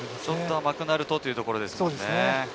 甘くなるとというところですね。